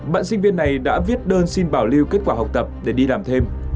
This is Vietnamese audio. bạn sinh viên này đã viết đơn xin bảo lưu kết quả học tập để đi làm thêm